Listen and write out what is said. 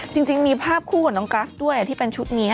จริงมีภาพคู่กับน้องกัสด้วยที่เป็นชุดนี้